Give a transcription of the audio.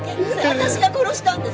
私が殺したんです！